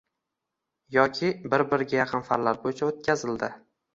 yoki bir-biriga yaqin fanlar bo‘yicha o‘tkazildi